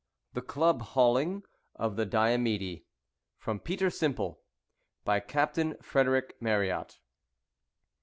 THE CLUB HAULING OF THE DIOMEDE (From Peter Simple.) By CAPTAIN FREDERICK MARRYAT.